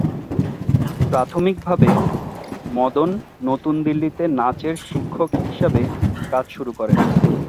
প্রাথমিকভাবে, মদন নতুন দিল্লিতে নাচের শিক্ষক হিসেবে কাজ করা শুরু করেন।